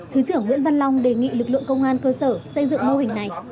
thứ trưởng nguyễn văn long đề nghị lực lượng công an cơ sở xây dựng mô hình này